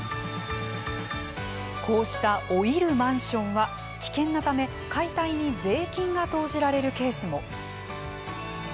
こうした老いるマンションは危険なため解体に税金が投じられるケースも。